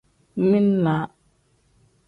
Min-laa.